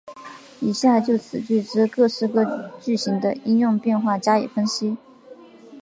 以下就此句之各式句型的应用变化加以分析。